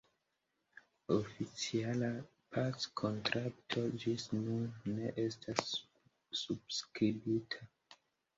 Oficiala packontrakto ĝis nun ne estas subskribita.